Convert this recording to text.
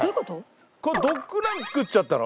これドッグラン作っちゃったの？